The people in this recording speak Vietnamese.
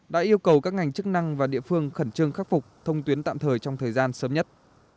đã yêu cầu các ngành chức năng và địa phương khẩn trương khắc phục thông tuyến tạm thời trong thời gian sớm nhất